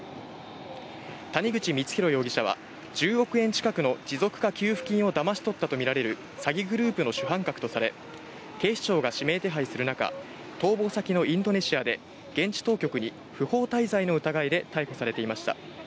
谷口光弘容疑者は、１０億円近くの持続化給付金をだまし取ったと見られる詐欺グループの主犯格とされ、警視庁が指名手配する中、逃亡先のインドネシアで、現地当局に不法滞在の疑いで逮捕されていました。